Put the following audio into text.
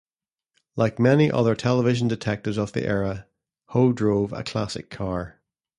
Like many other television detectives of the era, Ho drove a 'classic' car.